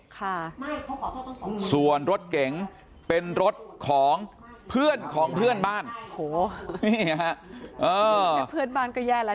ค่ะส่วนรถเก๋งเป็นรถของเพื่อนของเพื่อนบ้านโอ้โหนี่ฮะเพื่อนบ้านก็แย่แล้ว